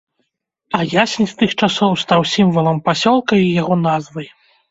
А ясень з тых часоў стаў сімвалам пасёлка і яго назвай.